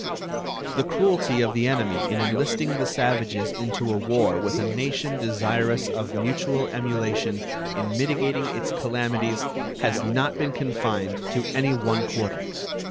The cruelty of the enemy in enlisting the savages into a war with a nation desirous of mutual emulation in mitigating its calamities has not been confined to any one quarter.